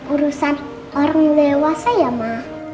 urusan orang dewasa ya mah